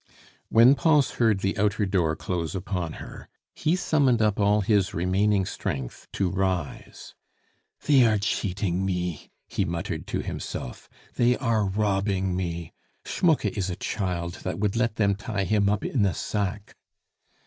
When Pons heard the outer door close upon her, he summoned up all his remaining strength to rise. "They are cheating me," he muttered to himself, "they are robbing me! Schmucke is a child that would let them tie him up in a sack."